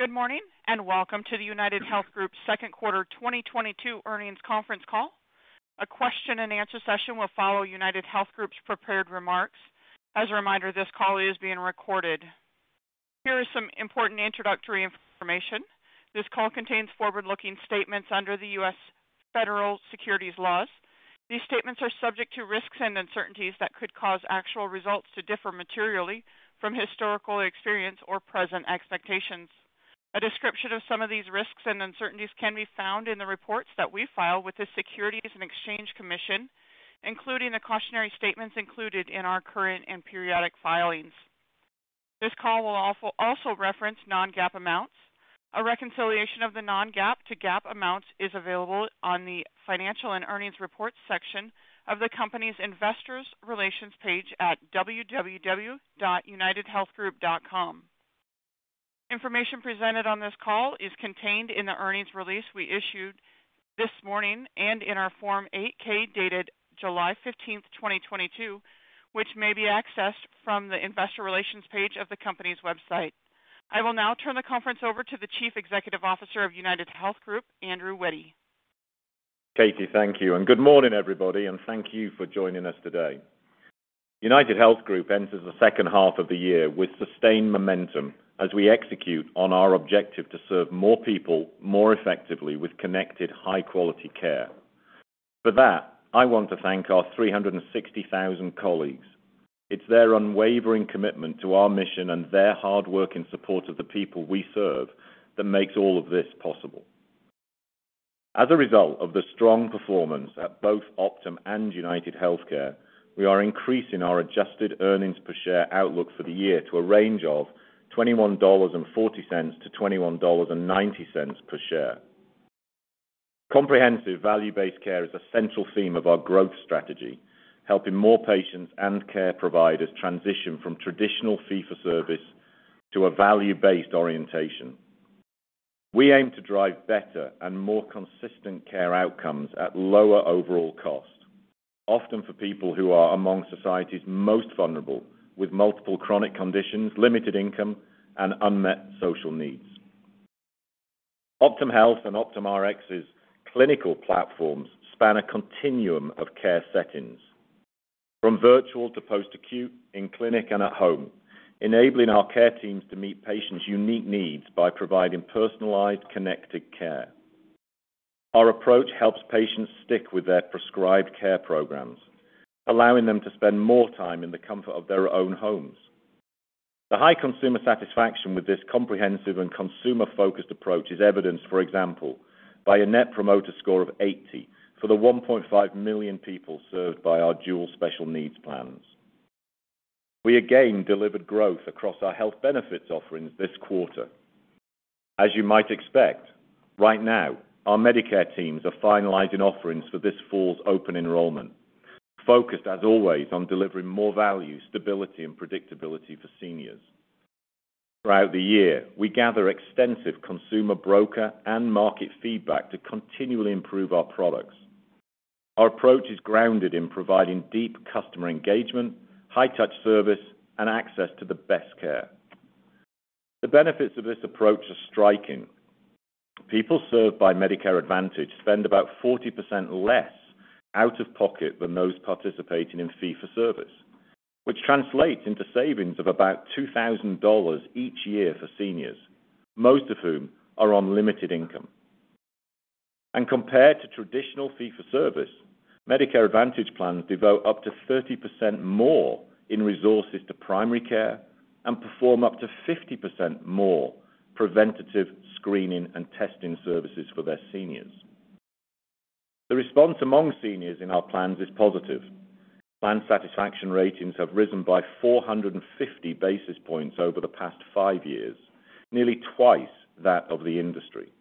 Good morning, and welcome to the UnitedHealth Group second quarter 2022 earnings conference call. A question and answer session will follow UnitedHealth Group's prepared remarks. As a reminder, this call is being recorded. Here are some important introductory information. This call contains forward-looking statements under the U.S. federal securities laws. These statements are subject to risks and uncertainties that could cause actual results to differ materially from historical experience or present expectations. A description of some of these risks and uncertainties can be found in the reports that we file with the Securities and Exchange Commission, including the cautionary statements included in our current and periodic filings. This call will also reference non-GAAP amounts. A reconciliation of the non-GAAP to GAAP amounts is available on the financial and earnings reports section of the company's investor relations page at www.unitedhealthgroup.com. Information presented on this call is contained in the earnings release we issued this morning and in our Form 8-K dated July 15, 2022, which may be accessed from the investor relations page of the company's website. I will now turn the conference over to the Chief Executive Officer of UnitedHealth Group, Andrew Witty. Katie, thank you. Good morning, everybody, and thank you for joining us today. UnitedHealth Group enters the second half of the year with sustained momentum as we execute on our objective to serve more people more effectively with connected high-quality care. For that, I want to thank our 360,000 colleagues. It's their unwavering commitment to our mission and their hard work in support of the people we serve that makes all of this possible. As a result of the strong performance at both Optum and UnitedHealthcare, we are increasing our adjusted earnings per share outlook for the year to a range of $21.40-$21.90 per share. Comprehensive value-based care is a central theme of our growth strategy, helping more patients and care providers transition from traditional fee-for-service to a value-based orientation. We aim to drive better and more consistent care outcomes at lower overall cost, often for people who are among society's most vulnerable with multiple chronic conditions, limited income, and unmet social needs. Optum Health and Optum Rx's clinical platforms span a continuum of care settings, from virtual to post-acute in clinic and at home, enabling our care teams to meet patients' unique needs by providing personalized, connected care. Our approach helps patients stick with their prescribed care programs, allowing them to spend more time in the comfort of their own homes. The high consumer satisfaction with this comprehensive and consumer-focused approach is evidenced, for example, by a Net Promoter Score of 80 for the 1.5 million people served by our Dual Special Needs plan. We again delivered growth across our health benefits offerings this quarter. As you might expect, right now, our Medicare teams are finalizing offerings for this fall's open enrollment, focused, as always, on delivering more value, stability, and predictability for seniors. Throughout the year, we gather extensive consumer broker and market feedback to continually improve our products. Our approach is grounded in providing deep customer engagement, high touch service, and access to the best care. The benefits of this approach are striking. People served by Medicare Advantage spend about 40% less out-of-pocket than those participating in fee-for-service, which translates into savings of about $2,000 each year for seniors, most of whom are on limited income. Compared to traditional fee-for-service, Medicare Advantage plans devote up to 30% more in resources to primary care and perform up to 50% more preventative screening and testing services for their seniors. The response among seniors in our plans is positive. Plan satisfaction ratings have risen by 450 basis points over the past five years, nearly twice that of the industry.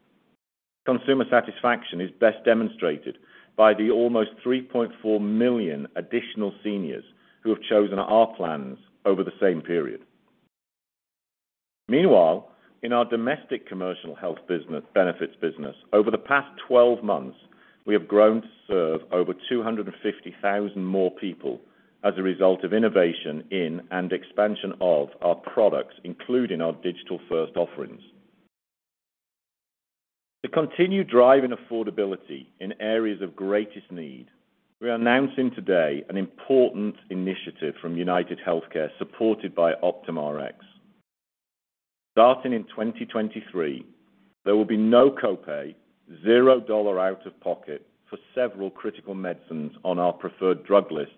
Consumer satisfaction is best demonstrated by the almost 3.4 million additional seniors who have chosen our plans over the same period. Meanwhile, in our domestic commercial health benefits business, over the past 12 months, we have grown to serve over 250,000 more people as a result of innovation in and expansion of our products, including our digital-first offerings. To continue driving affordability in areas of greatest need, we are announcing today an important initiative from UnitedHealthcare, supported by Optum Rx. Starting in 2023, there will be no copay, $0 out-of-pocket for several critical medicines on our preferred drug list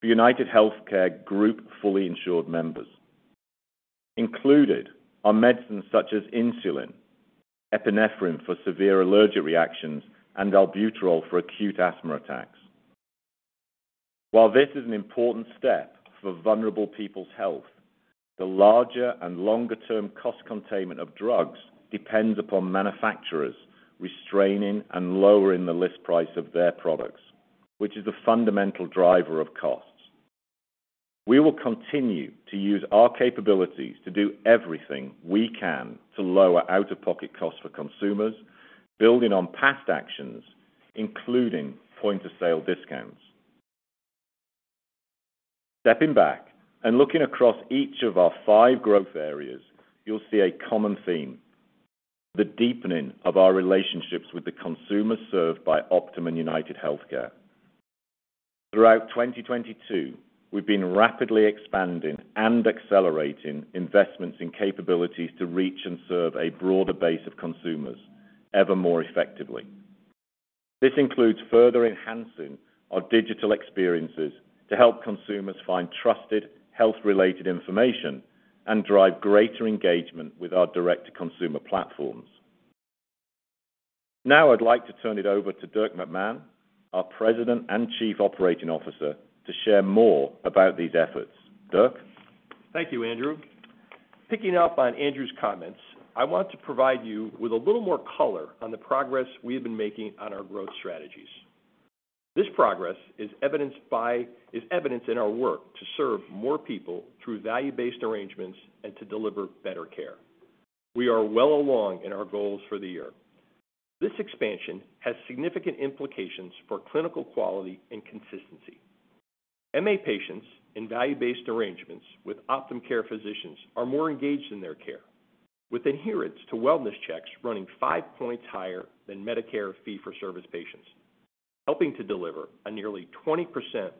for UnitedHealthcare Group fully insured members. Included are medicines such as insulin, epinephrine for severe allergic reactions, and albuterol for acute asthma attacks. While this is an important step for vulnerable people's health, the larger and longer-term cost containment of drugs depends upon manufacturers restraining and lowering the list price of their products, which is the fundamental driver of costs. We will continue to use our capabilities to do everything we can to lower out-of-pocket costs for consumers, building on past actions, including point-of-sale discounts. Stepping back and looking across each of our five growth areas, you'll see a common theme, the deepening of our relationships with the consumers served by Optum and UnitedHealthcare. Throughout 2022, we've been rapidly expanding and accelerating investments in capabilities to reach and serve a broader base of consumers ever more effectively. This includes further enhancing our digital experiences to help consumers find trusted health-related information and drive greater engagement with our direct-to-consumer platforms. Now I'd like to turn it over to Dirk McMahon, our President and Chief Operating Officer, to share more about these efforts. Dirk. Thank you, Andrew. Picking up on Andrew's comments, I want to provide you with a little more color on the progress we have been making on our growth strategies. This progress is evidenced in our work to serve more people through value-based arrangements and to deliver better care. We are well along in our goals for the year. This expansion has significant implications for clinical quality and consistency. MA patients in value-based arrangements with Optum Care Physicians are more engaged in their care, with adherence to wellness checks running five points higher than Medicare fee-for-service patients, helping to deliver a nearly 20%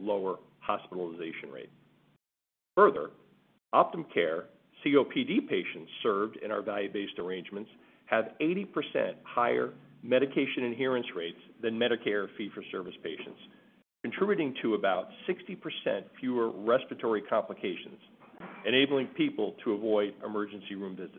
lower hospitalization rate. Further, Optum Care COPD patients served in our value-based arrangements have 80% higher medication adherence rates than Medicare fee-for-service patients, contributing to about 60% fewer respiratory complications, enabling people to avoid emergency room visits.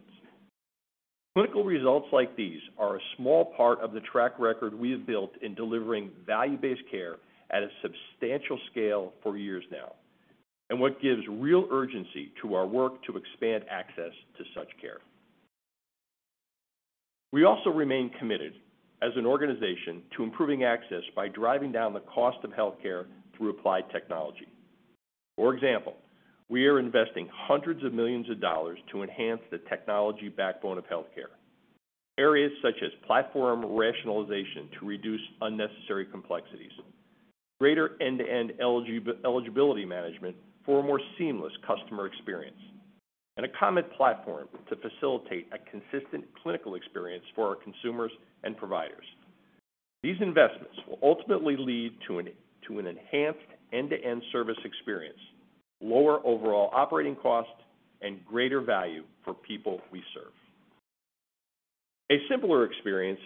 Clinical results like these are a small part of the track record we have built in delivering value-based care at a substantial scale for years now, and what gives real urgency to our work to expand access to such care. We also remain committed as an organization to improving access by driving down the cost of healthcare through applied technology. For example, we are investing hundreds of millions of dollars to enhance the technology backbone of healthcare. Areas such as platform rationalization to reduce unnecessary complexities, greater end-to-end eligibility management for a more seamless customer experience, and a common platform to facilitate a consistent clinical experience for our consumers and providers. These investments will ultimately lead to an enhanced end-to-end service experience, lower overall operating costs, and greater value for people we serve. A simpler experience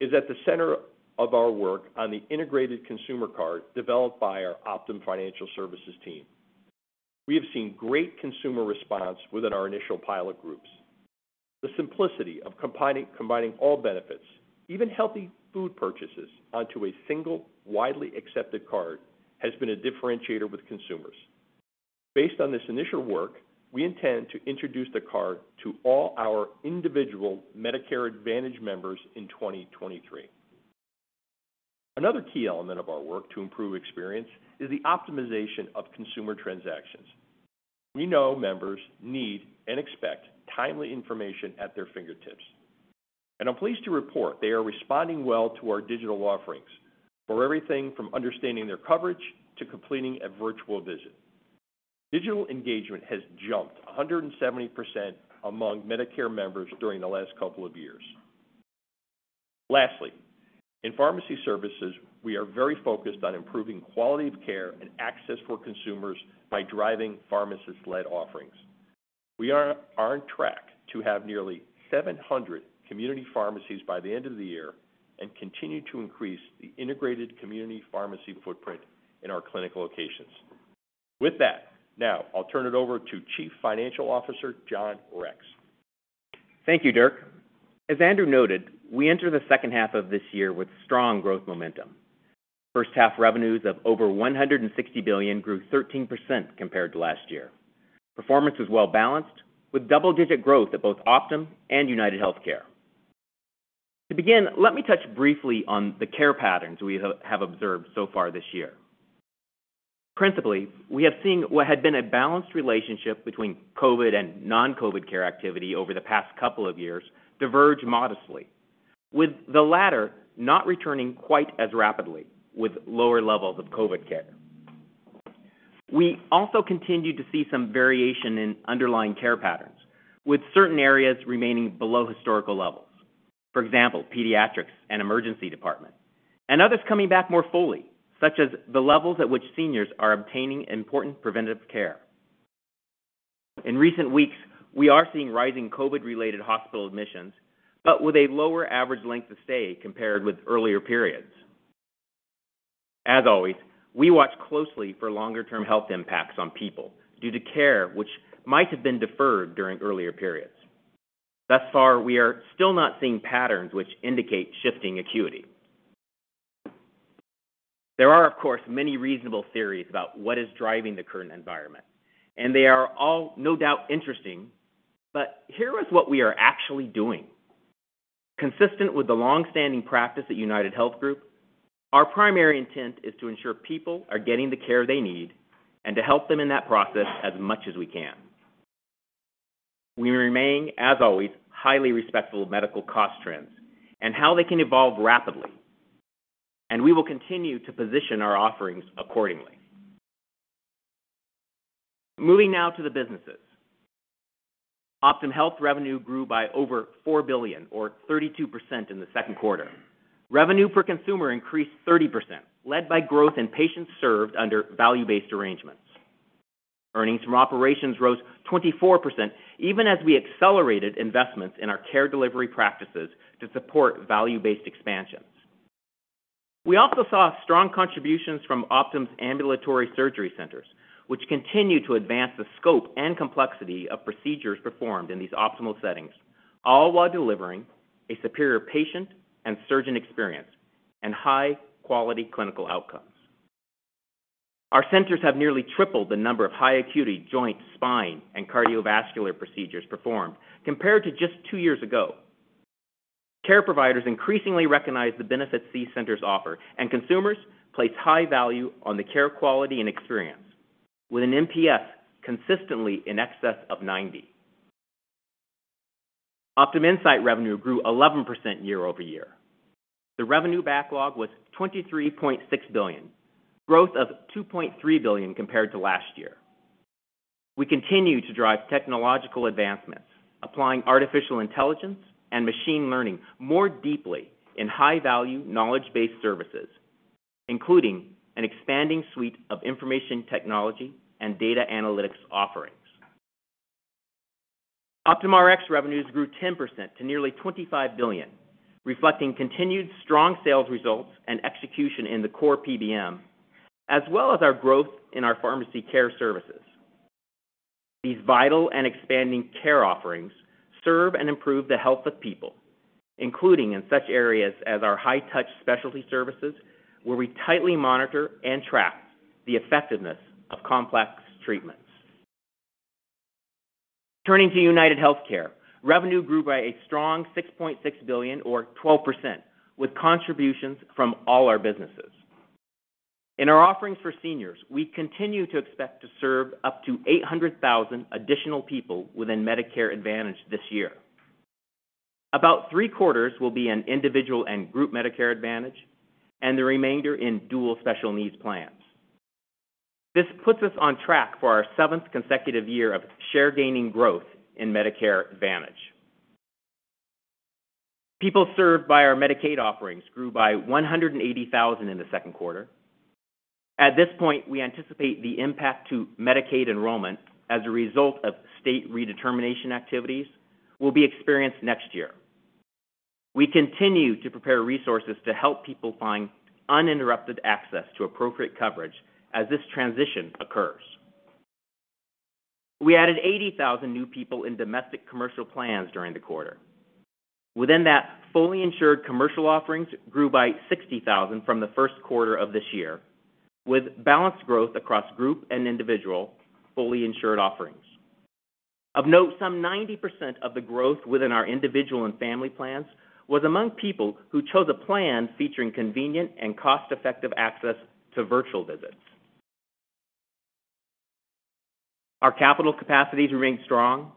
is at the center of our work on the integrated consumer card developed by our Optum Financial Services team. We have seen great consumer response within our initial pilot groups. The simplicity of combining all benefits, even healthy food purchases, onto a single widely accepted card has been a differentiator with consumers. Based on this initial work, we intend to introduce the card to all our individual Medicare Advantage members in 2023. Another key element of our work to improve experience is the optimization of consumer transactions. We know members need and expect timely information at their fingertips, and I'm pleased to report they are responding well to our digital offerings for everything from understanding their coverage to completing a virtual visit. Digital engagement has jumped 170% among Medicare members during the last couple of years. Lastly, in pharmacy services, we are very focused on improving quality of care and access for consumers by driving pharmacist-led offerings. We are on track to have nearly 700 community pharmacies by the end of the year and continue to increase the integrated community pharmacy footprint in our clinical locations. With that, now I'll turn it over to Chief Financial Officer, John Rex. Thank you, Dirk. As Andrew noted, we enter the second half of this year with strong growth momentum. First half revenues of over $160 billion grew 13% compared to last year. Performance was well balanced with double-digit growth at both Optum and UnitedHealthcare. To begin, let me touch briefly on the care patterns we have observed so far this year. Principally, we have seen what had been a balanced relationship between COVID and non-COVID care activity over the past couple of years diverge modestly, with the latter not returning quite as rapidly with lower levels of COVID care. We also continued to see some variation in underlying care patterns, with certain areas remaining below historical levels. For example, pediatrics and emergency department. Others coming back more fully, such as the levels at which seniors are obtaining important preventative care. In recent weeks, we are seeing rising COVID-related hospital admissions, but with a lower average length of stay compared with earlier periods. As always, we watch closely for longer-term health impacts on people due to care which might have been deferred during earlier periods. Thus far, we are still not seeing patterns which indicate shifting acuity. There are, of course, many reasonable theories about what is driving the current environment, and they are all no doubt interesting, but here is what we are actually doing. Consistent with the long-standing practice at UnitedHealth Group, our primary intent is to ensure people are getting the care they need and to help them in that process as much as we can. We remain, as always, highly respectful of medical cost trends and how they can evolve rapidly, and we will continue to position our offerings accordingly. Moving now to the businesses. Optum Health revenue grew by over $4 billion or 32% in the second quarter. Revenue per consumer increased 30%, led by growth in patients served under value-based arrangements. Earnings from operations rose 24%, even as we accelerated investments in our care delivery practices to support value-based expansions. We also saw strong contributions from Optum's ambulatory surgery centers, which continue to advance the scope and complexity of procedures performed in these optimal settings, all while delivering a superior patient and surgeon experience and high-quality clinical outcomes. Our centers have nearly tripled the number of high acuity joint, spine, and cardiovascular procedures performed compared to just two years ago. Care providers increasingly recognize the benefits these centers offer, and consumers place high value on the care, quality, and experience with an NPS consistently in excess of 90. Optum Insight revenue grew 11% year-over-year. The revenue backlog was $23.6 billion, growth of $2.3 billion compared to last year. We continue to drive technological advancements, applying artificial intelligence and machine learning more deeply in high-value knowledge-based services, including an expanding suite of information technology and data analytics offerings. Optum Rx revenues grew 10% to nearly $25 billion, reflecting continued strong sales results and execution in the core PBM, as well as our growth in our pharmacy care services. These vital and expanding care offerings serve and improve the health of people, including in such areas as our high-touch specialty services, where we tightly monitor and track the effectiveness of complex treatments. Turning to UnitedHealthcare. Revenue grew by a strong $6.6 billion or 12%, with contributions from all our businesses. In our offerings for seniors, we continue to expect to serve up to 800,000 additional people within Medicare Advantage this year. About three-quarters will be in individual and group Medicare Advantage and the remainder in Dual Special Needs plan. This puts us on track for our seventh consecutive year of share gaining growth in Medicare Advantage. People served by our Medicaid offerings grew by 180,000 in the second quarter. At this point, we anticipate the impact to Medicaid enrollment as a result of state redetermination activities will be experienced next year. We continue to prepare resources to help people find uninterrupted access to appropriate coverage as this transition occurs. We added 80,000 new people in domestic commercial plans during the quarter. Within that, fully insured commercial offerings grew by 60,000 from the first quarter of this year, with balanced growth across group and individual fully insured offerings. Of note, some 90% of the growth within our individual and family plans was among people who chose a plan featuring convenient and cost-effective access to virtual visits. Our capital capacities remain strong.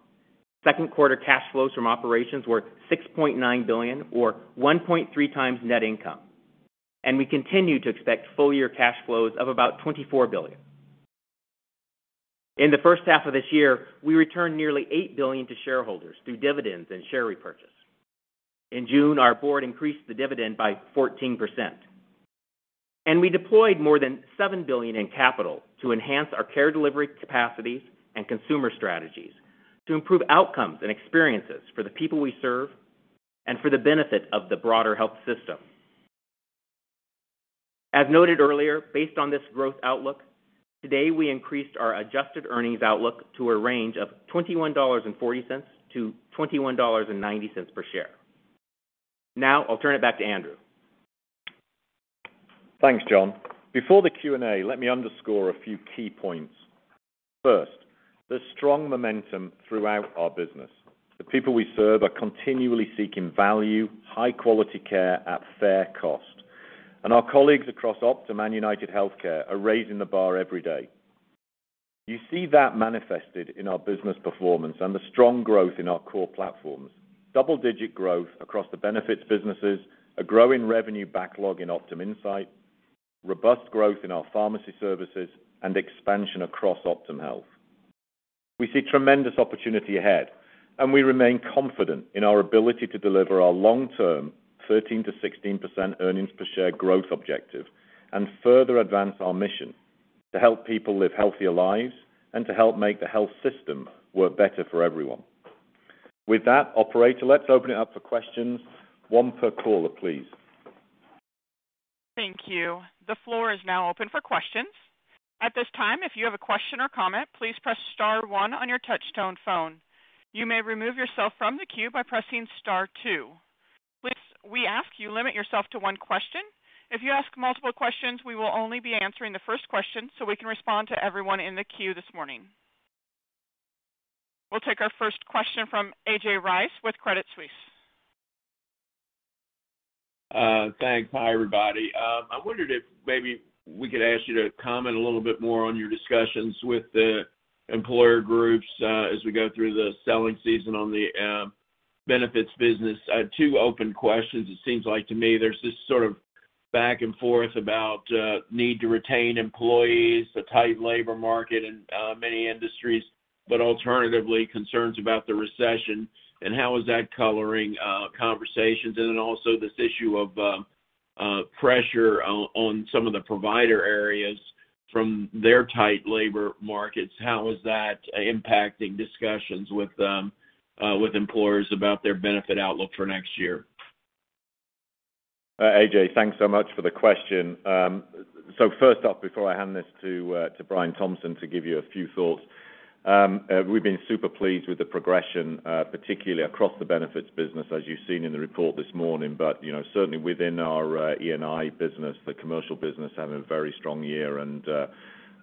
Second quarter cash flows from operations were $6.9 billion or 1.3 times net income, and we continue to expect full-year cash flows of about $24 billion. In the first half of this year, we returned nearly $8 billion to shareholders through dividends and share repurchase. In June, our board increased the dividend by 14%, and we deployed more than $7 billion in capital to enhance our care delivery capacities and consumer strategies to improve outcomes and experiences for the people we serve and for the benefit of the broader health system. As noted earlier, based on this growth outlook, today we increased our adjusted earnings outlook to a range of $21.40-$21.90 per share. Now I'll turn it back to Andrew. Thanks, John. Before the Q&A, let me underscore a few key points. First, the strong momentum throughout our business. The people we serve are continually seeking value, high-quality care at fair cost, and our colleagues across Optum and UnitedHealthcare are raising the bar every day. You see that manifested in our business performance and the strong growth in our core platforms. Double-digit growth across the benefits businesses, a growing revenue backlog in Optum Insight, robust growth in our pharmacy services, and expansion across Optum Health. We see tremendous opportunity ahead, and we remain confident in our ability to deliver our long-term 13%-16% earnings per share growth objective and further advance our mission to help people live healthier lives and to help make the health system work better for everyone. With that, operator, let's open it up for questions. One per caller, please. Thank you. The floor is now open for questions. At this time, if you have a question or comment, please press star one on your touch-tone phone. You may remove yourself from the queue by pressing star two. Please, we ask you limit yourself to one question. If you ask multiple questions, we will only be answering the first question so we can respond to everyone in the queue this morning. We'll take our first question from A.J. Rice with Credit Suisse. Thanks. Hi, everybody. I wondered if maybe we could ask you to comment a little bit more on your discussions with the employer groups, as we go through the selling season on the benefits business. I had two open questions. It seems like to me there's this sort of back and forth about need to retain employees, the tight labor market in many industries, but alternatively, concerns about the recession. How is that coloring conversations? Then also this issue of pressure on some of the provider areas from their tight labor markets. How is that impacting discussions with employers about their benefit outlook for next year? A.J., thanks so much for the question. So first off, before I hand this to Brian Thompson to give you a few thoughts, we've been super pleased with the progression, particularly across the benefits business, as you've seen in the report this morning. You know, certainly within our E&I business, the commercial business had a very strong year.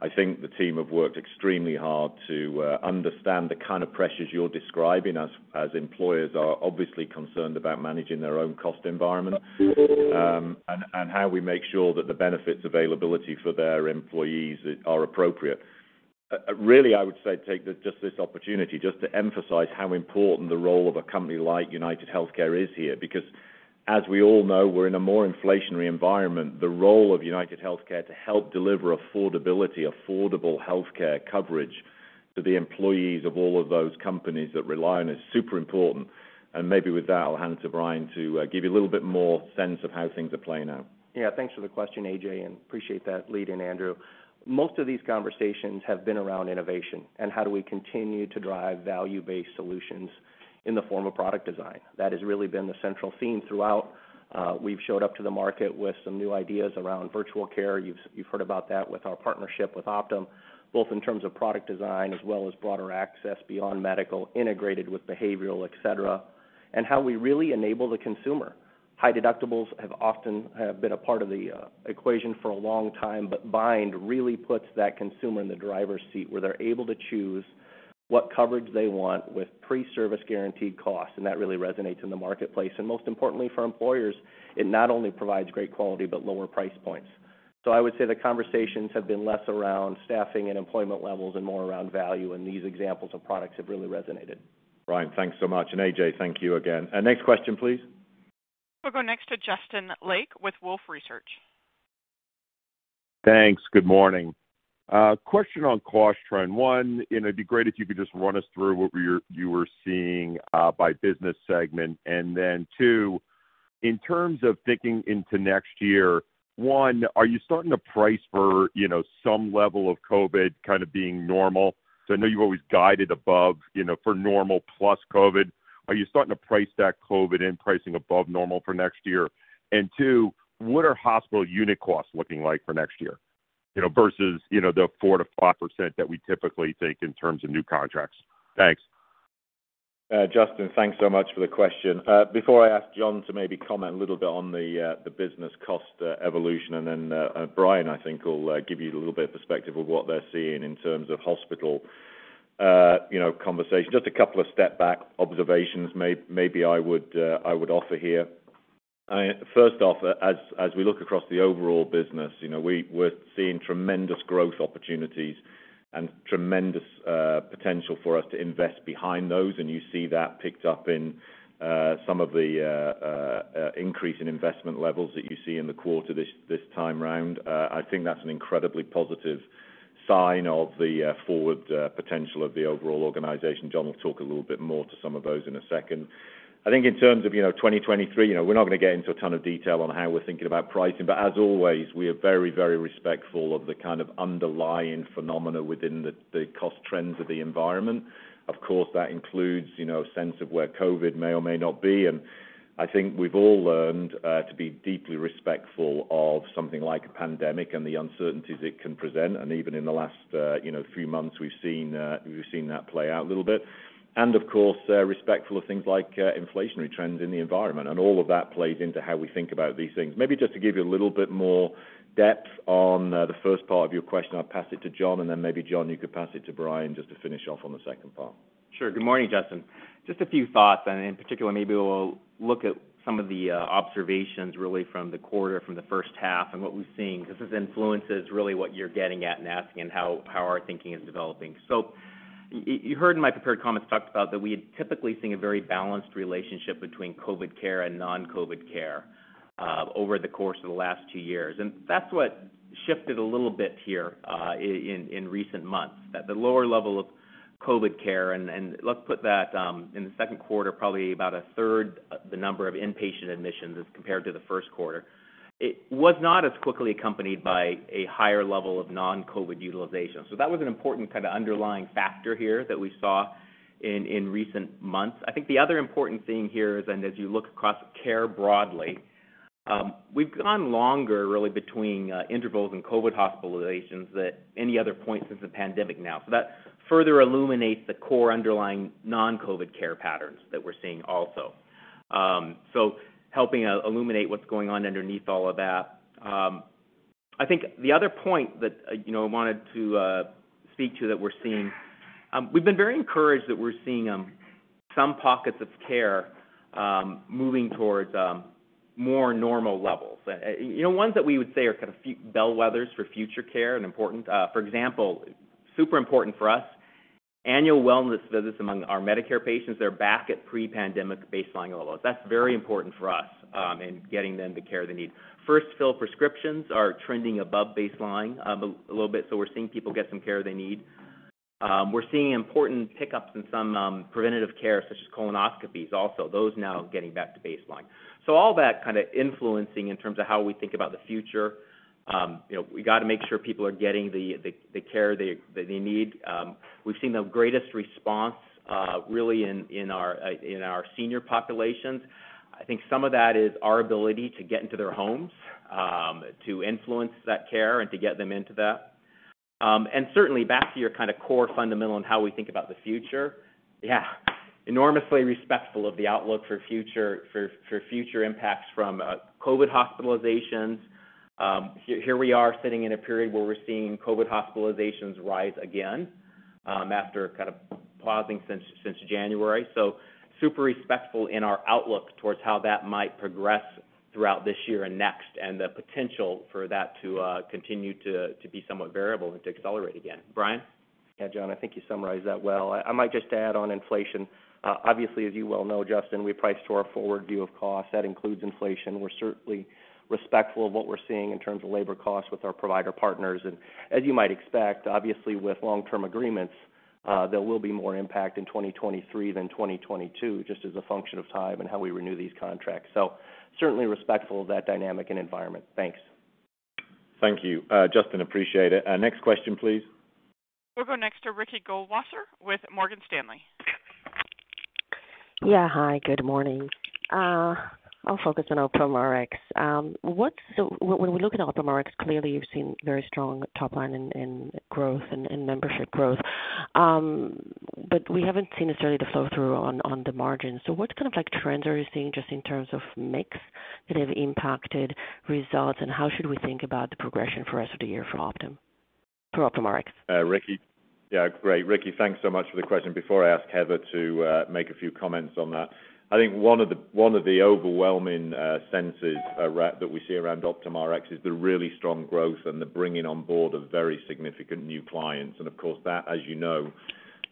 I think the team have worked extremely hard to understand the kind of pressures you're describing, as employers are obviously concerned about managing their own cost environment, and how we make sure that the benefits availability for their employees are appropriate. Really, I would say, take just this opportunity just to emphasize how important the role of a company like UnitedHealthcare is here. Because as we all know, we're in a more inflationary environment. The role of UnitedHealthcare to help deliver affordability, affordable healthcare coverage to the employees of all of those companies that rely on us, is super important. Maybe with that, I'll hand to Brian to give you a little bit more sense of how things are playing out. Yeah. Thanks for the question, A.J., and appreciate that lead in, Andrew. Most of these conversations have been around innovation and how do we continue to drive value-based solutions in the form of product design. That has really been the central theme throughout. We've showed up to the market with some new ideas around virtual care. You've heard about that with our partnership with Optum, both in terms of product design as well as broader access beyond medical, integrated with behavioral, et cetera, and how we really enable the consumer. High deductibles have often been a part of the equation for a long time, but Bind really puts that consumer in the driver's seat where they're able to choose what coverage they want with pre-service guaranteed costs, and that really resonates in the marketplace. Most importantly for employers, it not only provides great quality, but lower price points. I would say the conversations have been less around staffing and employment levels and more around value, and these examples of products have really resonated. Brian, thanks so much. A.J., thank you again. Next question, please. We'll go next to Justin Lake with Wolfe Research. Thanks. Good morning. Question on cost trend. One, you know, it'd be great if you could just run us through what you are seeing by business segment. Then two, in terms of thinking into next year, one, are you starting to price for, you know, some level of COVID kind of being normal? I know you've always guided above, you know, for normal plus COVID. Are you starting to price that COVID in pricing above normal for next year? Two, what are hospital unit costs looking like for next year? You know, versus, you know, the 4%-5% that we typically take in terms of new contracts. Thanks. Justin, thanks so much for the question. Before I ask John to maybe comment a little bit on the business cost evolution, and then Brian, I think will give you a little bit of perspective of what they're seeing in terms of hospital, you know, conversation. Just a couple of step-back observations maybe I would offer here. First off, as we look across the overall business, you know, we're seeing tremendous growth opportunities and tremendous potential for us to invest behind those. You see that picked up in some of the increase in investment levels that you see in the quarter this time round. I think that's an incredibly positive sign of the forward potential of the overall organization. John will talk a little bit more to some of those in a second. I think in terms of, you know, 2023, you know, we're not gonna get into a ton of detail on how we're thinking about pricing. As always, we are very, very respectful of the kind of underlying phenomena within the cost trends of the environment. Of course, that includes, you know, a sense of where COVID may or may not be. I think we've all learned to be deeply respectful of something like a pandemic and the uncertainties it can present. Even in the last, you know, few months, we've seen that play out a little bit. Of course, respectful of things like inflationary trends in the environment. All of that plays into how we think about these things. Maybe just to give you a little bit more depth on the first part of your question, I'll pass it to John, and then maybe John, you could pass it to Brian just to finish off on the second part. Sure. Good morning, Justin. Just a few thoughts, and in particular, maybe we'll look at some of the observations really from the quarter, from the first half and what we're seeing. Because this influence is really what you're getting at and asking and how our thinking is developing. You heard in my prepared comments talked about that we had typically seen a very balanced relationship between COVID care and non-COVID care over the course of the last two years. That's what shifted a little bit here in recent months. The lower level of COVID care, and let's put that in the second quarter, probably about a third the number of inpatient admissions as compared to the first quarter. It was not as quickly accompanied by a higher level of non-COVID utilization. That was an important kind of underlying factor here that we saw in recent months. I think the other important thing here is, and as you look across care broadly, we've gone longer really between intervals in COVID hospitalizations than any other point since the pandemic now. That further illuminates the core underlying non-COVID care patterns that we're seeing also. Helping illuminate what's going on underneath all of that. I think the other point that, you know, I wanted to speak to that we're seeing, we've been very encouraged that we're seeing, some pockets of care, moving towards, more normal levels. You know, ones that we would say are kind of bellwethers for future care and important. For example, super important for us, annual wellness visits among our Medicare patients, they're back at pre-pandemic baseline levels. That's very important for us, in getting them the care they need. First fill prescriptions are trending above baseline, a little bit, so we're seeing people get some care they need. We're seeing important pickups in some, preventative care, such as colonoscopies also. Those now getting back to baseline. All that kind of influencing in terms of how we think about the future, you know, we gotta make sure people are getting the care they need. We've seen the greatest response really in our senior populations. I think some of that is our ability to get into their homes to influence that care and to get them into that. Certainly back to your kind of core fundamental on how we think about the future, yeah, enormously respectful of the outlook for future impacts from COVID hospitalizations. Here we are sitting in a period where we're seeing COVID hospitalizations rise again after kind of pausing since January. Super respectful in our outlook towards how that might progress throughout this year and next, and the potential for that to continue to be somewhat variable and to accelerate again. Brian? Yeah, John, I think you summarized that well. I might just add on inflation. Obviously, as you well know, Justin, we price to our forward view of cost. That includes inflation. We're certainly respectful of what we're seeing in terms of labor costs with our provider partners. As you might expect, obviously with long-term agreements, there will be more impact in 2023 than 2022, just as a function of time and how we renew these contracts. Certainly respectful of that dynamic and environment. Thanks. Thank you, Justin, appreciate it. Next question, please. We'll go next to Ricky Goldwasser with Morgan Stanley. Yeah. Hi, good morning. I'll focus on Optum Rx. When we look at Optum Rx, clearly you've seen very strong top-line growth and membership growth, but we haven't seen necessarily the flow through on the margins. What kind of, like, trends are you seeing just in terms of mix that have impacted results? And how should we think about the progression for rest of the year for Optum, for Optum Rx? Ricky. Yeah, great. Ricky, thanks so much for the question. Before I ask Heather to make a few comments on that, I think one of the overwhelming census that we see around Optum Rx is the really strong growth and the bringing on board of very significant new clients. Of course, that, as you know,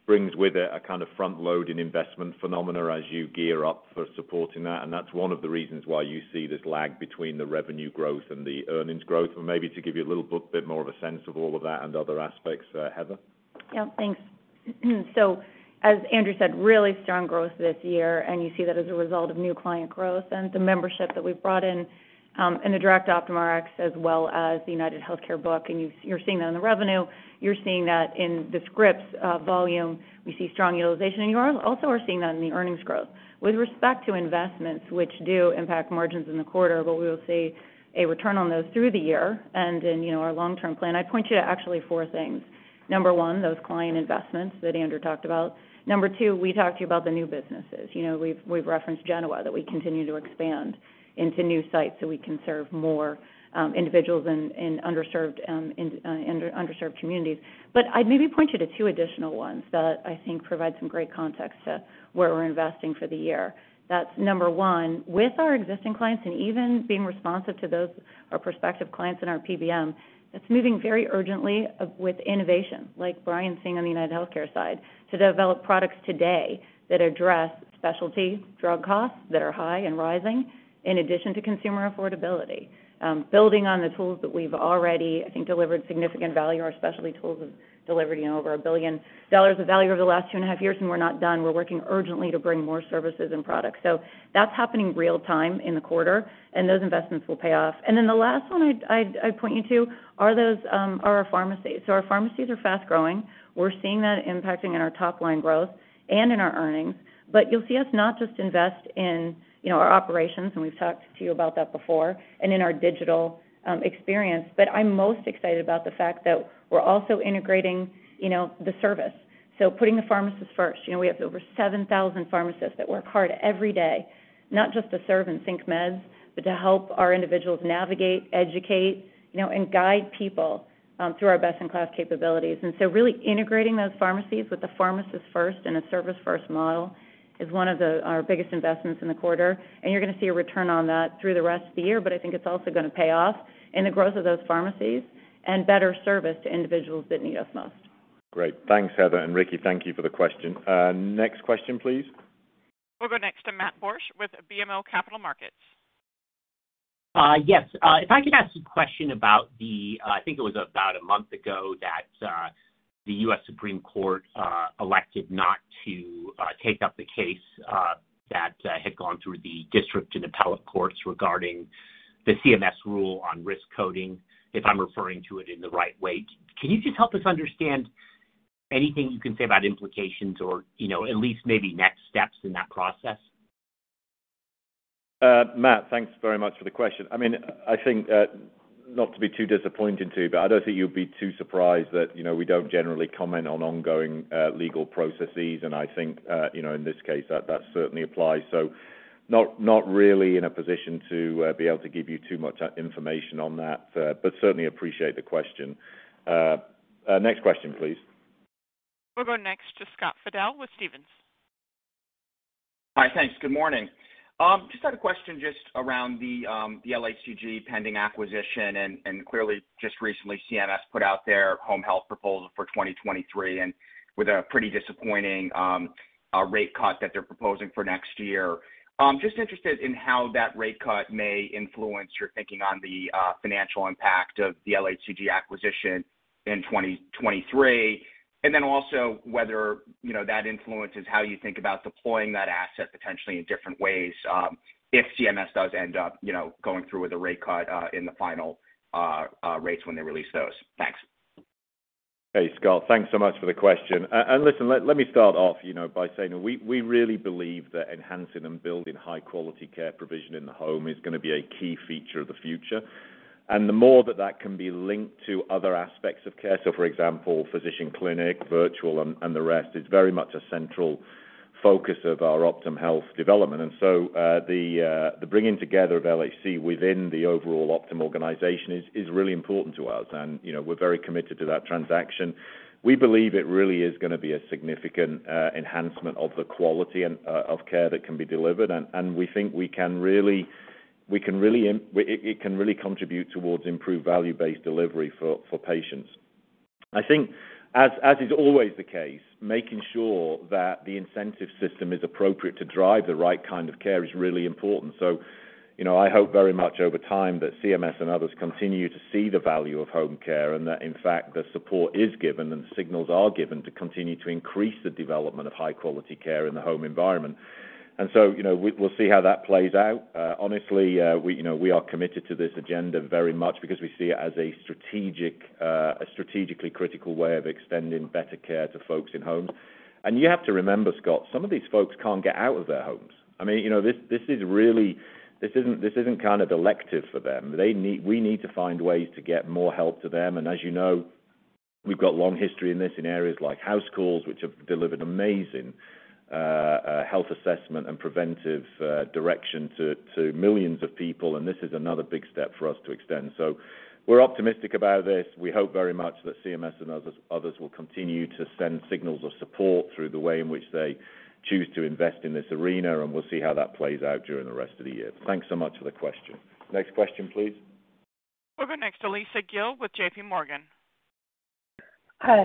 brings with it a kind of front-loading investment phenomena as you gear up for supporting that. That's one of the reasons why you see this lag between the revenue growth and the earnings growth. Maybe to give you a little bit more of a sense of all of that and other aspects, Heather. Yeah. Thanks. As Andrew said, really strong growth this year, and you see that as a result of new client growth and the membership that we've brought in the direct Optum Rx, as well as the UnitedHealthcare book. You're seeing that in the revenue, you're seeing that in the scripts volume. We see strong utilization, and you're also seeing that in the earnings growth. With respect to investments, which do impact margins in the quarter, but we will see a return on those through the year and in, you know, our long-term plan, I'd point you to actually four things. Number one, those client investments that Andrew talked about. Number two, we talked to you about the new businesses. You know, we've referenced Genoa that we continue to expand into new sites so we can serve more individuals in underserved communities. I'd maybe point you to two additional ones that I think provide some great context to where we're investing for the year. That's number one, with our existing clients and even being responsive to those, our prospective clients in our PBM, that's moving very urgently with innovation, like Brian seeing on the UnitedHealthcare side, to develop products today that address specialty drug costs that are high and rising, in addition to consumer affordability. Building on the tools that we've already, I think, delivered significant value, our specialty tools have delivered, you know, over $1 billion of value over the last two and a half years, and we're not done. We're working urgently to bring more services and products. That's happening real time in the quarter, and those investments will pay off. Then the last one I'd point you to are our pharmacies. Our pharmacies are fast growing. We're seeing that impacting in our top-line growth and in our earnings. You'll see us not just invest in, you know, our operations, and we've talked to you about that before, and in our digital experience, but I'm most excited about the fact that we're also integrating, you know, the service. Putting the pharmacist first. You know, we have over 7,000 pharmacists that work hard every day, not just to serve and sync meds, but to help our individuals navigate, educate, you know, and guide people through our best-in-class capabilities. Really integrating those pharmacies with the pharmacist first and a service first model is one of our biggest investments in the quarter. You're gonna see a return on that through the rest of the year, but I think it's also gonna pay off in the growth of those pharmacies and better service to individuals that need us most. Great. Thanks, Heather, and Ricky, thank you for the question. Next question, please. We'll go next to Matthew Borsch with BMO Capital Markets. Yes. If I could ask a question about the, I think it was about a month ago that, the U.S. Supreme Court elected not to take up the case that had gone through the district and appellate courts regarding the CMS rule on risk coding. If I'm referring to it in the right way, can you just help us understand anything you can say about implications or, you know, at least maybe next steps in that process? Matt, thanks very much for the question. I mean, I think, not to be too disappointing to you, but I don't think you'll be too surprised that, you know, we don't generally comment on ongoing, legal processes. I think, you know, in this case, that certainly applies. So, not really in a position to be able to give you too much information on that, but certainly appreciate the question. Next question, please. We'll go next to Scott Fidel with Stephens. Hi. Thanks. Good morning. Just had a question just around the LHC Group pending acquisition, and clearly just recently CMS put out their home health proposal for 2023, and with a pretty disappointing rate cut that they're proposing for next year. Just interested in how that rate cut may influence your thinking on the financial impact of the LHC Group acquisition in 2023. Also whether, you know, that influences how you think about deploying that asset potentially in different ways, if CMS does end up, you know, going through with a rate cut in the final rates when they release those. Thanks. Hey, Scott, thanks so much for the question. Listen, let me start off, you know, by saying we really believe that enhancing and building high quality care provision in the home is gonna be a key feature of the future. The more that can be linked to other aspects of care, so for example, physician clinic, virtual and the rest, is very much a central focus of our Optum Health development. The bringing together of LHC within the overall Optum organization is really important to us. You know, we're very committed to that transaction. We believe it really is gonna be a significant enhancement of the quality of care that can be delivered, and we think we can really -- it can really contribute towards improved value-based delivery for patients. I think as is always the case, making sure that the incentive system is appropriate to drive the right kind of care is really important. You know, I hope very much over time that CMS and others continue to see the value of home care, and that in fact the support is given and signals are given to continue to increase the development of high quality care in the home environment. You know, we'll see how that plays out. Honestly, we, you know, we are committed to this agenda very much because we see it as a strategic, a strategically critical way of extending better care to folks in home. You have to remember, Scott, some of these folks can't get out of their homes. I mean, you know, this is really, this isn't kind of elective for them. We need to find ways to get more help to them. As you know, we've got long history in this in areas like HouseCalls, which have delivered amazing, health assessment and preventive, direction to millions of people, and this is another big step for us to extend. We're optimistic about this. We hope very much that CMS and others will continue to send signals of support through the way in which they choose to invest in this arena, and we'll see how that plays out during the rest of the year. Thanks so much for the question. Next question, please. We'll go next to Lisa Gill with JPMorgan.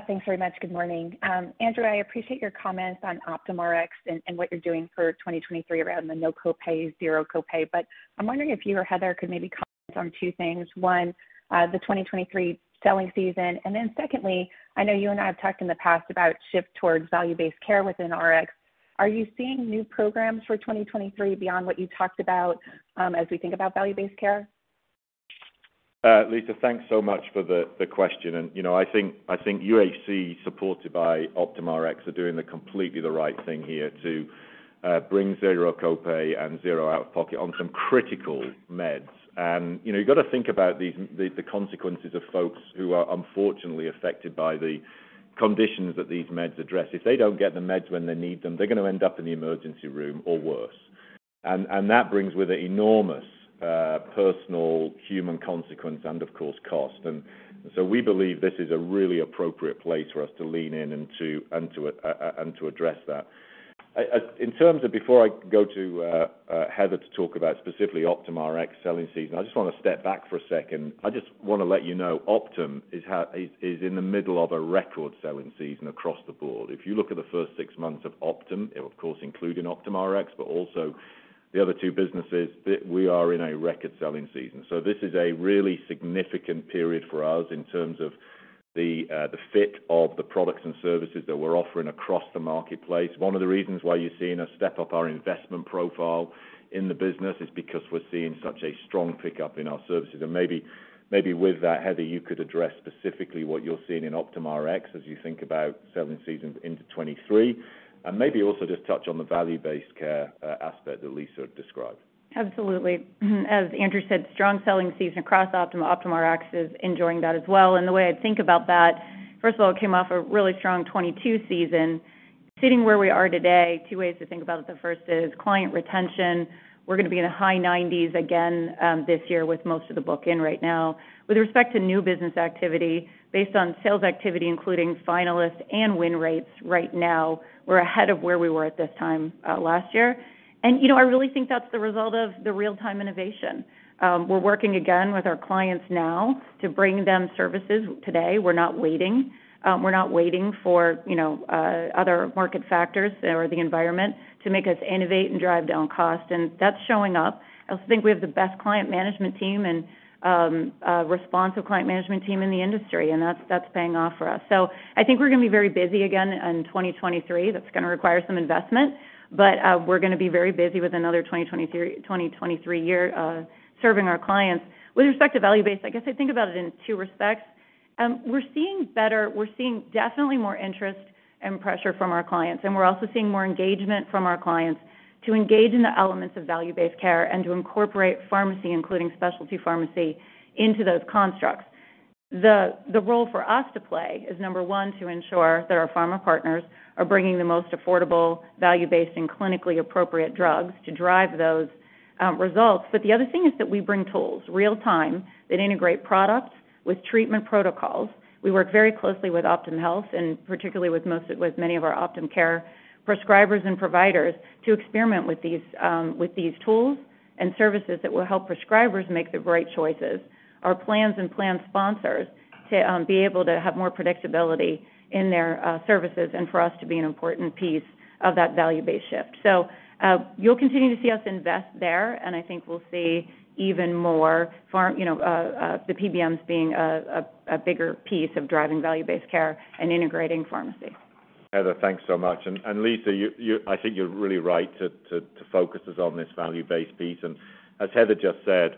Thanks very much. Good morning. Andrew, I appreciate your comments on Optum Rx and what you're doing for 2023 around the no copay, zero copay, but I'm wondering if you or Heather could maybe comment on two things. One, the 2023 selling season, and then secondly, I know you and I have talked in the past about shift towards value-based care within Rx. Are you seeing new programs for 2023 beyond what you talked about, as we think about value-based care? Lisa, thanks so much for the question. You know, I think UHC supported by Optum Rx are doing completely the right thing here to bring zero copay and zero out-of-pocket on some critical meds. You know, you gotta think about the consequences of folks who are unfortunately affected by the conditions that these meds address. If they don't get the meds when they need them, they're gonna end up in the emergency room or worse. That brings with it enormous personal human consequence and of course cost. We believe this is a really appropriate place for us to lean in and to address that. In terms of Before I go to Heather to talk about specifically Optum Rx selling season, I just wanna step back for a second. I just wanna let you know Optum is in the middle of a record selling season across the board. If you look at the first six months of Optum, it of course including Optum Rx, but also the other two businesses, we are in a record selling season. This is a really significant period for us in terms of the fit of the products and services that we're offering across the marketplace. One of the reasons why you're seeing us step up our investment profile in the business is because we're seeing such a strong pickup in our services. Maybe with that, Heather, you could address specifically what you're seeing in Optum Rx as you think about selling seasons into 2023. Maybe also just touch on the value-based care aspect that Lisa described. Absolutely. As Andrew said, strong selling season across Optum, Optum Rx is enjoying that as well. The way I think about that, first of all, it came off a really strong 2022 season. Sitting where we are today, two ways to think about it, the first is client retention. We're gonna be in the high 90s again this year with most of the book in right now. With respect to new business activity, based on sales activity, including finalists and win rates right now, we're ahead of where we were at this time last year. You know, I really think that's the result of the real-time innovation. We're working again with our clients now to bring them services today. We're not waiting. We're not waiting for, you know, other market factors or the environment to make us innovate and drive down cost, and that's showing up. I also think we have the best client management team and responsive client management team in the industry, and that's paying off for us. I think we're gonna be very busy again in 2023. That's gonna require some investment, but we're gonna be very busy with another 2023 year serving our clients. With respect to value-based, I guess I think about it in two respects. We're seeing definitely more interest and pressure from our clients, and we're also seeing more engagement from our clients to engage in the elements of value-based care and to incorporate pharmacy, including specialty pharmacy, into those constructs. The role for us to play is, number one, to ensure that our pharma partners are bringing the most affordable value-based and clinically appropriate drugs to drive those results. The other thing is that we bring tools real time that integrate products with treatment protocols. We work very closely with Optum Health, and particularly with many of our Optum Care prescribers and providers to experiment with these tools and services that will help prescribers make the right choices, our plans and plan sponsors to be able to have more predictability in their services and for us to be an important piece of that value-based shift. You'll continue to see us invest there, and I think we'll see even more the PBMs being a bigger piece of driving value-based care and integrating pharmacy. Heather, thanks so much. Lisa, I think you're really right to focus us on this value-based piece. As Heather just said,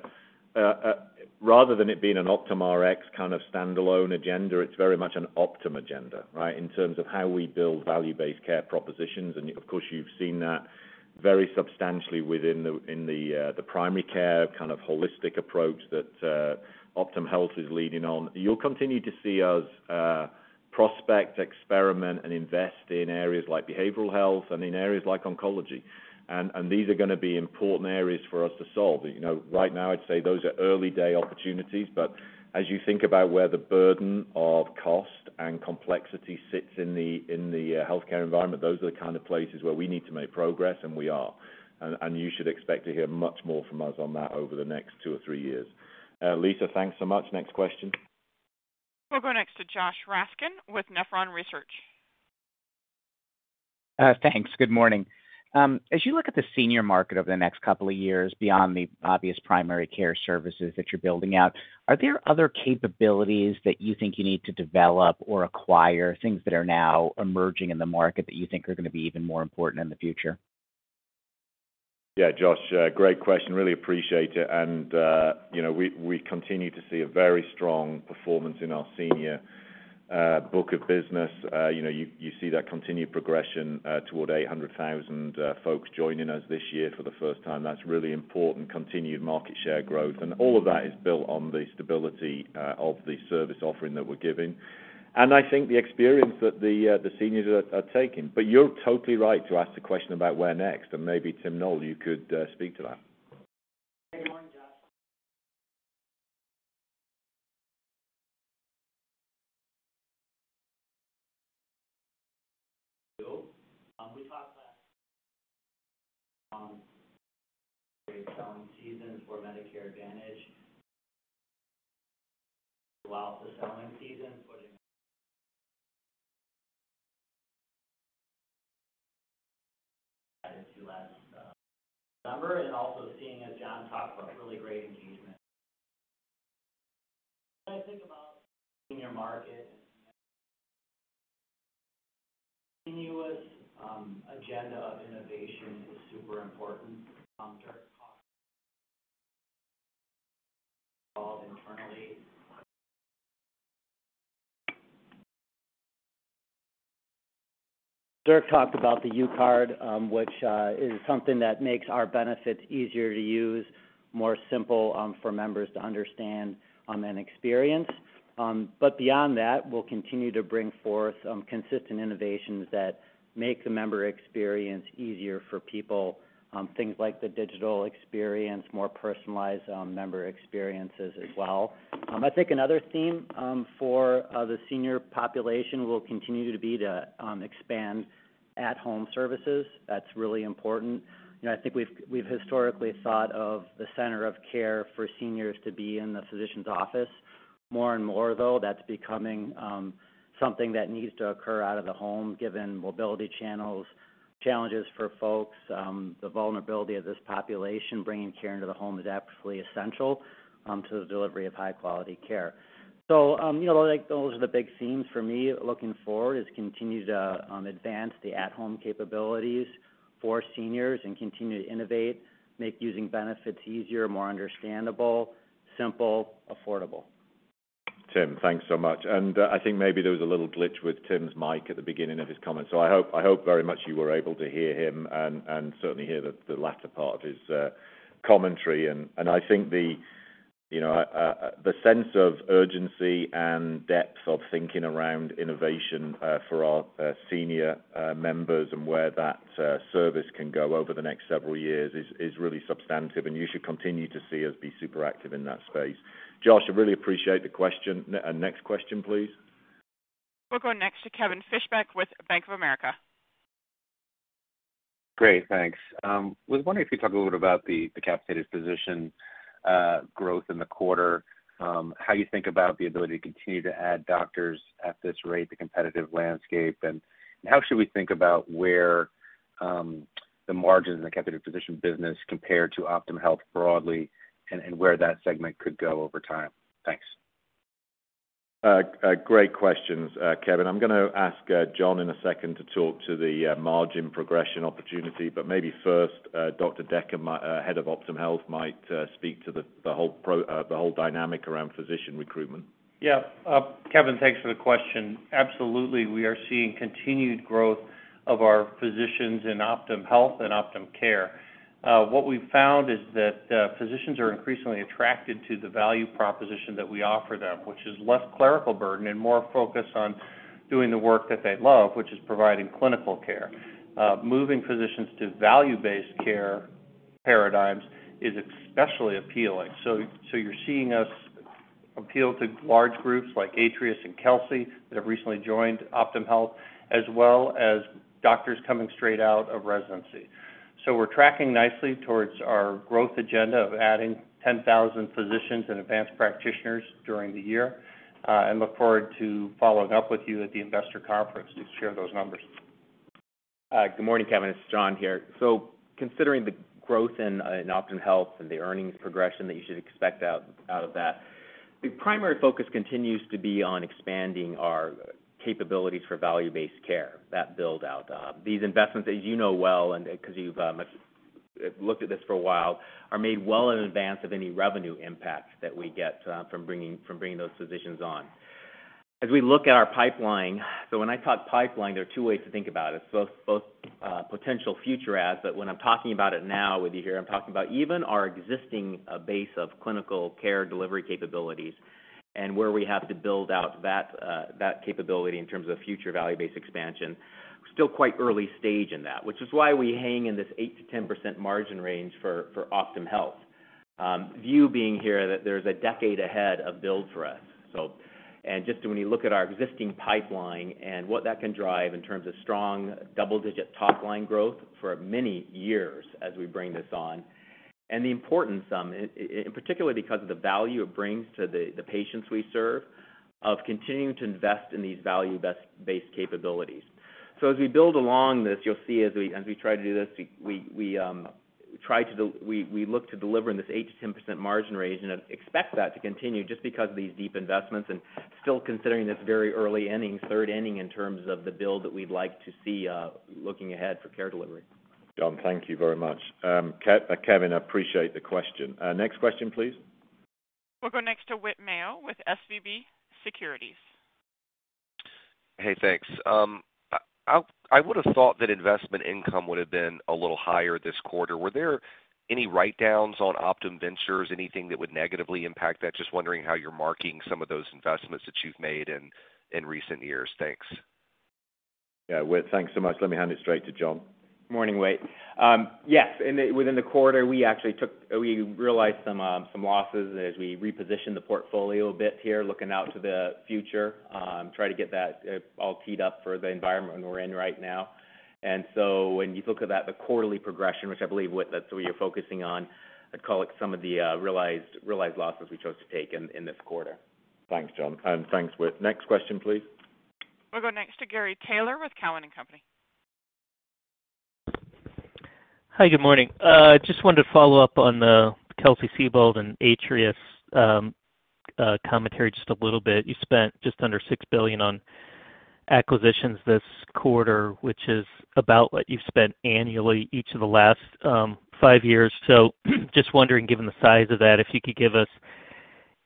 rather than it being an Optum Rx kind of standalone agenda, it's very much an Optum agenda, right? In terms of how we build value-based care propositions. Of course, you've seen that very substantially within the primary care kind of holistic approach that Optum Health is leading on. You'll continue to see us prospect, experiment, and invest in areas like behavioral health and in areas like oncology. These are gonna be important areas for us to solve. You know, right now I'd say those are early day opportunities, but as you think about where the burden of cost and complexity sits in the healthcare environment, those are the kind of places where we need to make progress, and we are. You should expect to hear much more from us on that over the next two or three years. Lisa, thanks so much. Next question. We'll go next to Joshua Raskin with Nephron Research. Thanks. Good morning. As you look at the senior market over the next couple of years, beyond the obvious primary care services that you're building out, are there other capabilities that you think you need to develop or acquire, things that are now emerging in the market that you think are gonna be even more important in the future? Yeah. Josh, great question. Really appreciate it. You know, we continue to see a very strong performance in our senior book of business. You know, you see that continued progression toward 800,000 folks joining us this year for the first time. That's really important, continued market share growth. All of that is built on the stability of the service offering that we're giving. I think the experience that the seniors are taking. You're totally right to ask the question about where next, and maybe Tim Noel, you could speak to that. Good morning, Joshua Raskin. Great selling season for Medicare Advantage. Throughout the selling season for.. added to last number, and also seeing as John Rex talked about, really great engagement. Continuous agenda of innovation is super important. Dirk McMahon talked about the UCard, which is something that makes our benefits easier to use, more simple, for members to understand, and experience. Beyond that, we'll continue to bring forth consistent innovations that make the member experience easier for people, things like the digital experience, more personalized member experiences as well. I think another theme for the senior population will continue to be to expand at-home services. That's really important. You know, I think we've historically thought of the center of care for seniors to be in the physician's office. More and more, though, that's becoming something that needs to occur out of the home, given mobility challenges for folks, the vulnerability of this population, bringing care into the home is absolutely essential to the delivery of high-quality care. You know, like, those are the big themes for me looking forward, is continue to advance the at-home capabilities for seniors and continue to innovate, make using benefits easier, more understandable, simple, affordable. Tim, thanks so much. I think maybe there was a little glitch with Tim's mic at the beginning of his comments. I hope very much you were able to hear him and certainly hear the latter part of his commentary. I think the sense of urgency and depth of thinking around innovation for our senior members and where that service can go over the next several years is really substantive, and you should continue to see us be super active in that space. Josh, I really appreciate the question. Next question, please. We'll go next to Kevin Fischbeck with Bank of America. Great. Thanks. Was wondering if you could talk a little bit about the capitated physician growth in the quarter, how you think about the ability to continue to add doctors at this rate, the competitive landscape, and how should we think about where the margins in the capitated physician business compare to Optum Health broadly and where that segment could go over time? Thanks. Great questions, Kevin. I'm gonna ask John in a second to talk to the margin progression opportunity, but maybe first, Dr. Decker, head of Optum Health, might speak to the whole dynamic around physician recruitment. Yeah. Kevin, thanks for the question. Absolutely, we are seeing continued growth of our physicians in Optum Health and Optum Care. What we've found is that physicians are increasingly attracted to the value proposition that we offer them, which is less clerical burden and more focus on doing the work that they love, which is providing clinical care. Moving physicians to value-based care paradigms is especially appealing. You're seeing us appeal to large groups like Atrius and Kelsey that have recently joined Optum Health, as well as doctors coming straight out of residency. We're tracking nicely towards our growth agenda of adding 10,000 physicians and advanced practitioners during the year, and look forward to following up with you at the investor conference to share those numbers. Hi, good morning, Kevin, it's John here. Considering the growth in Optum Health and the earnings progression that you should expect out of that, the primary focus continues to be on expanding our capabilities for value-based care, that build-out. These investments, as you know well, and because you've looked at this for a while, are made well in advance of any revenue impact that we get from bringing those physicians on. As we look at our pipeline, when I talk pipeline, there are two ways to think about it, both potential future adds, but when I'm talking about it now with you here, I'm talking about even our existing base of clinical care delivery capabilities and where we have to build out that capability in terms of future value-based expansion. Still quite early stage in that, which is why we hang in this 8%-10% margin range for Optum Health. View being here that there's a decade ahead of build for us. Just when you look at our existing pipeline and what that can drive in terms of strong double-digit top line growth for many years as we bring this on, and the importance, in particular because of the value it brings to the patients we serve, of continuing to invest in these value-based capabilities. As we build along this, you'll see as we try to do this, we look to deliver in this 8%-10% margin range and expect that to continue just because of these deep investments and still considering this very early inning, third inning in terms of the build that we'd like to see, looking ahead for care delivery. John, thank you very much. Kevin, I appreciate the question. Next question, please. We'll go next to Whit Mayo with SVB Securities. Hey, thanks. I would have thought that investment income would have been a little higher this quarter. Were there any write-downs on Optum Ventures, anything that would negatively impact that? Just wondering how you're marking some of those investments that you've made in recent years. Thanks. Yeah, Whit, thanks so much. Let me hand it straight to John. Morning, Whit. Yes, within the quarter, we realized some losses as we repositioned the portfolio a bit here, looking out to the future, try to get that all teed up for the environment we're in right now. When you look at that, the quarterly progression, which I believe, Whit, that's what you're focusing on, I'd call it some of the realized losses we chose to take in this quarter. Thanks, John, and thanks, Whit. Next question, please. We'll go next to Gary Taylor with Cowen and Company. Hi, good morning. Just wanted to follow up on the Kelsey-Seybold and Atrius commentary just a little bit. You spent just under $6 billion on acquisitions this quarter, which is about what you've spent annually each of the last five years. Just wondering, given the size of that, if you could give us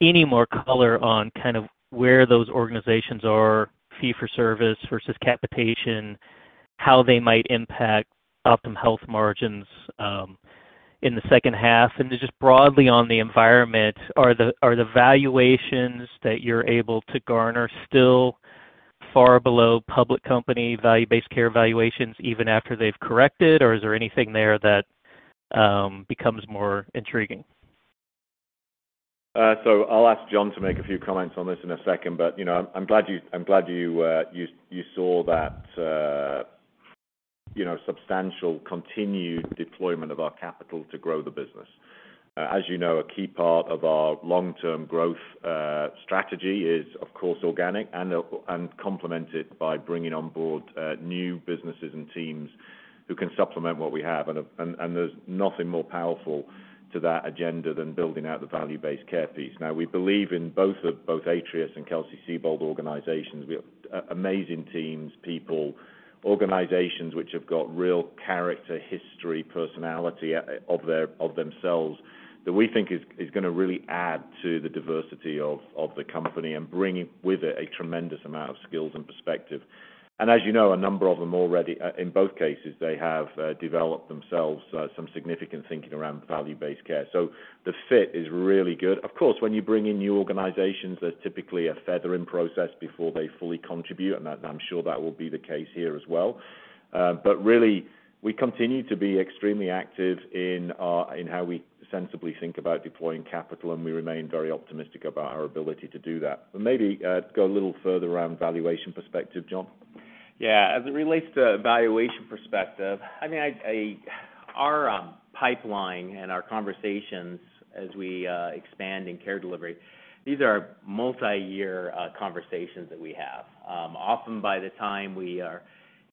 any more color on kind of where those organizations are, fee-for-service versus capitation, how they might impact Optum Health margins in the second half. Just broadly on the environment, are the valuations that you're able to garner still far below public company value-based care valuations even after they've corrected? Or is there anything there that becomes more intriguing? I'll ask John to make a few comments on this in a second, but, you know, I'm glad you saw that, you know, substantial continued deployment of our capital to grow the business. As you know, a key part of our long-term growth strategy is, of course, organic and complemented by bringing on board new businesses and teams who can supplement what we have. There's nothing more powerful to that agenda than building out the value-based care piece. Now, we believe in both Atrius and Kelsey-Seybold organizations. We have amazing teams, people, organizations which have got real character, history, personality of themselves that we think is gonna really add to the diversity of the company and bringing with it a tremendous amount of skills and perspective. As you know, a number of them already, in both cases, they have developed themselves some significant thinking around value-based care. The fit is really good. Of course, when you bring in new organizations, there's typically a feathering process before they fully contribute, and I'm sure that will be the case here as well. Really, we continue to be extremely active in how we sensibly think about deploying capital, and we remain very optimistic about our ability to do that. Maybe go a little further around valuation perspective, John. Yeah, as it relates to valuation perspective, I mean, our pipeline and our conversations as we expand in care delivery, these are multi-year conversations that we have. Often by the time we are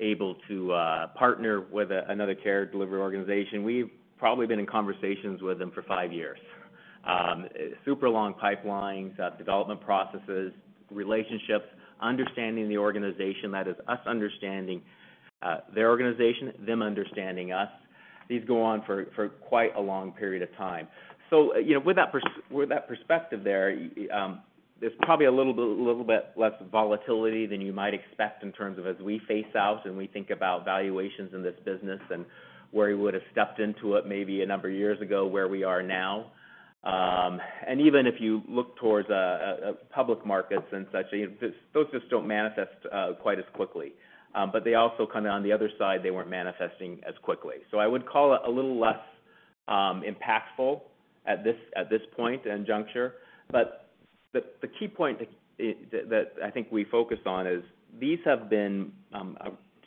able to partner with another care delivery organization, we've probably been in conversations with them for five years. Super long pipelines, development processes, relationships, understanding the organization, that is us understanding their organization, them understanding us. These go on for quite a long period of time. You know, with that perspective there's probably a little bit less volatility than you might expect in terms of as we phase out and we think about valuations in this business and where you would have stepped into it maybe a number of years ago, where we are now. Even if you look towards public markets and such, those just don't manifest quite as quickly. They also come in on the other side, they weren't manifesting as quickly. I would call it a little less impactful at this point and juncture. The key point that I think we focused on is these have been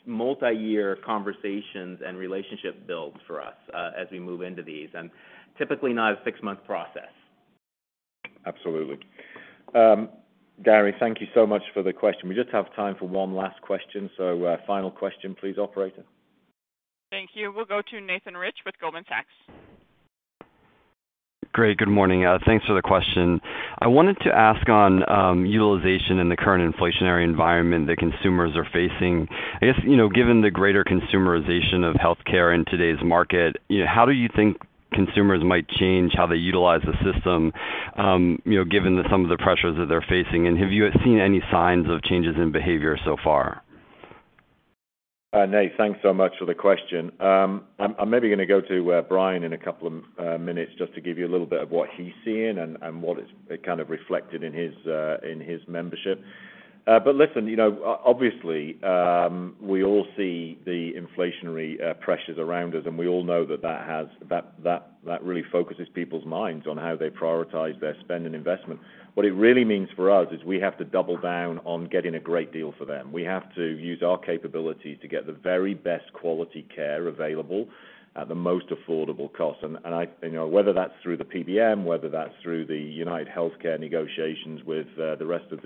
multi-year conversations and relationship builds for us as we move into these, and typically not a six-month process. Absolutely. Gary, thank you so much for the question. We just have time for one last question. Final question, please, operator. Thank you. We'll go to Nathan Rich with Goldman Sachs. Great. Good morning. Thanks for the question. I wanted to ask on utilization in the current inflationary environment that consumers are facing. I guess, you know, given the greater consumerization of healthcare in today's market, you know, how do you think consumers might change how they utilize the system, you know, given some of the pressures that they're facing? Have you seen any signs of changes in behavior so far? Nate, thanks so much for the question. I'm maybe gonna go to Brian in a couple of minutes just to give you a little bit of what he's seeing and what is kind of reflected in his membership. Listen, you know, obviously, we all see the inflationary pressures around us, and we all know that that really focuses people's minds on how they prioritize their spend and investment. What it really means for us is we have to double down on getting a great deal for them. We have to use our capabilities to get the very best quality care available at the most affordable cost. You know, whether that's through the PBM, whether that's through the UnitedHealthcare negotiations with the rest of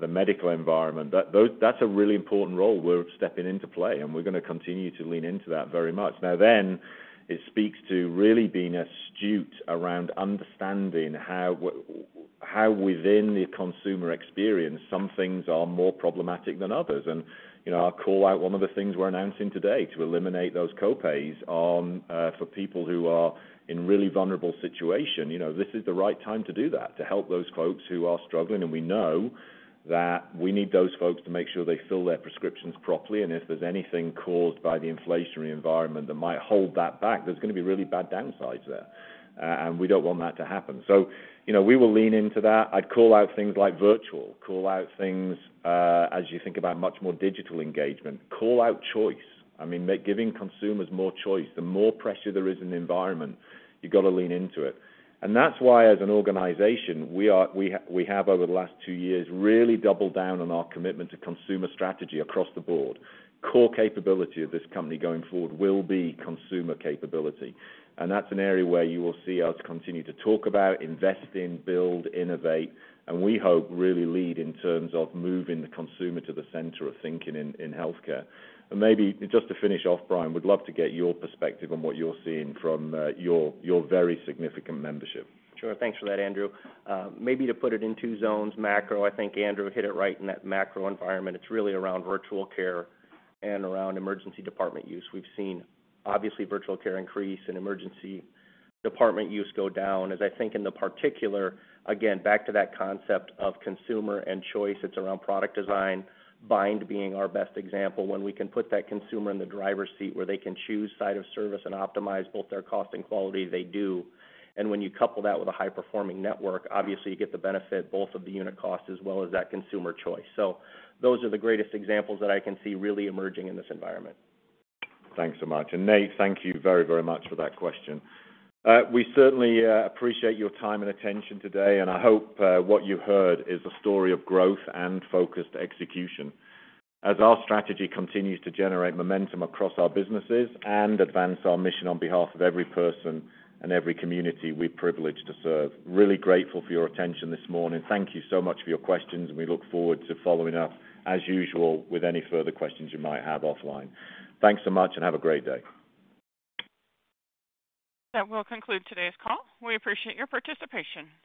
the medical environment, that's a really important role we're stepping into play, and we're gonna continue to lean into that very much. Now then, it speaks to really being astute around understanding how within the consumer experience, some things are more problematic than others. You know, I'll call out one of the things we're announcing today to eliminate those copays for people who are in really vulnerable situation. You know, this is the right time to do that, to help those folks who are struggling. We know that we need those folks to make sure they fill their prescriptions properly, and if there's anything caused by the inflationary environment that might hold that back, there's gonna be really bad downsides there. We don't want that to happen. You know, we will lean into that. I'd call out things like virtual, call out things, as you think about much more digital engagement, call out choice. I mean, giving consumers more choice. The more pressure there is in the environment, you gotta lean into it. That's why as an organization, we have over the last two years, really doubled down on our commitment to consumer strategy across the board. Core capability of this company going forward will be consumer capability. That's an area where you will see us continue to talk about, invest in, build, innovate, and we hope really lead in terms of moving the consumer to the center of thinking in healthcare. Maybe just to finish off, Brian, would love to get your perspective on what you're seeing from your very significant membership. Sure. Thanks for that, Andrew. Maybe to put it in two zones, macro. I think Andrew hit it right in that macro environment. It's really around virtual care and around emergency department use. We've seen, obviously, virtual care increase and emergency department use go down. As I think, in particular, again, back to that concept of consumer and choice, it's around product design, Bind being our best example. When we can put that consumer in the driver's seat where they can choose site of service and optimize both their cost and quality, they do. When you couple that with a high-performing network, obviously, you get the benefit both of the unit cost as well as that consumer choice. Those are the greatest examples that I can see really emerging in this environment. Thanks so much. Nate, thank you very, very much for that question. We certainly appreciate your time and attention today, and I hope what you heard is a story of growth and focused execution. Our strategy continues to generate momentum across our businesses and advance our mission on behalf of every person and every community we're privileged to serve. Really grateful for your attention this morning. Thank you so much for your questions, and we look forward to following up, as usual, with any further questions you might have offline. Thanks so much and have a great day. That will conclude today's call. We appreciate your participation.